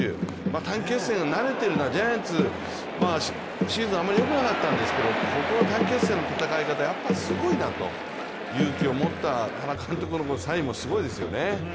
短期決戦慣れているジャイアンツ、シーズンあまりよくなかったんですけれども、ここ、短期決戦の戦い方やっぱりすごいなと、勇気を持った、原監督のサインもすごいですね。